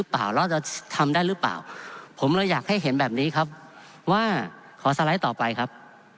ผมเราอยากให้เห็นแบบนี้ครับว่าขอสไลด์ต่อไปครับ